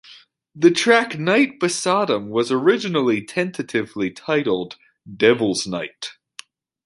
The track "Night, BeSodom" was originally tentatively titled "Devilsnight".